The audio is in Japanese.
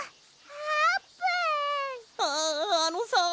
ああのさ。